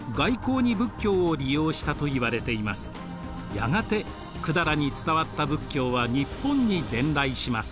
やがて百済に伝わった仏教は日本に伝来します。